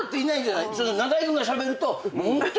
中居君がしゃべると。